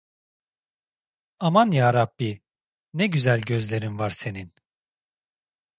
Aman yarabbi, ne güzel gözlerin var senin…